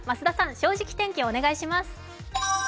「正直天気」をお願いします。